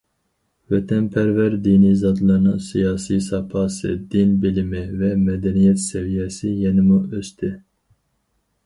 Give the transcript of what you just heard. ۋەتەنپەرۋەر دىنىي زاتلارنىڭ سىياسىي ساپاسى، دىن بىلىمى ۋە مەدەنىيەت سەۋىيەسى يەنىمۇ ئۆستى.